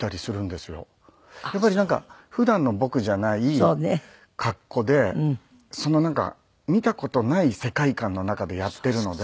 やっぱりなんか普段の僕じゃない格好で見た事ない世界観の中でやっているので。